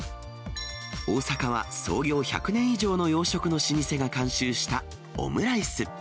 大阪は、創業１００年以上の洋食の老舗が監修したオムライス。